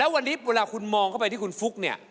แล้ววันนี้คุณมองเข้าไปที่คุณฟุ๊ก